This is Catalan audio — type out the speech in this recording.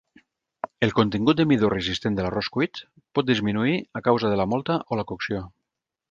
El contingut de midó resistent de l'arròs cuit pot disminuir a causa de la mòlta o la cocció.